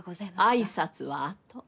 挨拶はあと。